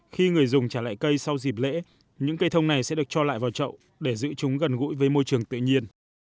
khi người dùng trả lại cây sau dịp lễ những cây thông này sẽ được cho lại vào chậu để giữ chúng gần gũi với môi trường tự nhiên